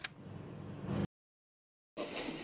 อืม